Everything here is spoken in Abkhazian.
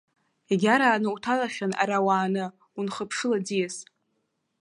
Иагарааны уҭалахьан ара уааны, унхыԥшыл аӡиас.